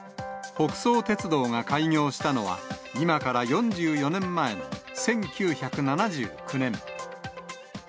北総鉄道が開業したのは、今から４４年前の１９７９年。